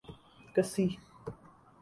گسی